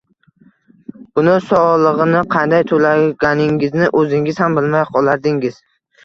buni solig‘ini qanday to‘laganingizni o‘zingiz ham bilmay qolardingiz.